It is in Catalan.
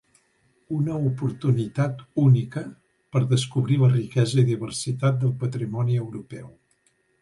Una oportunitat única per descobrir la riquesa i diversitat del patrimoni europeu.